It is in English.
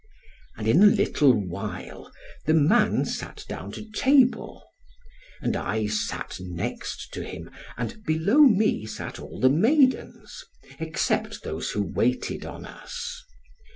And in a little while the man sat down to the table. {19a} And I sat next to him, and below me sat all the maidens, except those who waited on us.